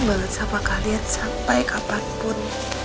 banget sama kalian sampai kapanpun